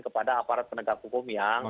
kepada aparat penegak hukum yang